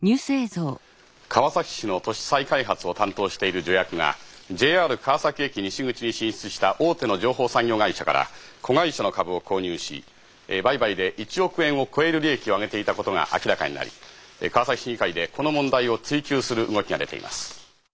川崎市の都市再開発を担当している助役がＪＲ川崎駅西口に進出した大手の情報産業会社から子会社の株を購入し売買で１億円を超える利益を上げていたことが明らかになり川崎市議会でこの問題を追及する動きが出ています。